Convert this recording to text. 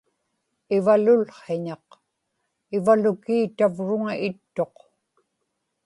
ivalulhiñaq; ivalukii tavruŋa ittuq